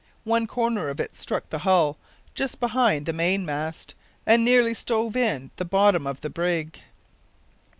One corner of it struck the hull just behind the mainmast, and nearly stove in the bottom of the brig.